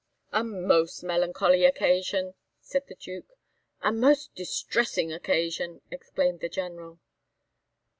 "A most melancholy occasion!" said the Duke. "A most distressing occasion!" exclaimed the General.